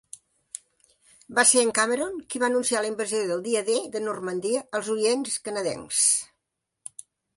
Va ser en Cameron qui va anunciar la invasió del Dia D de Normandia als orients canadencs.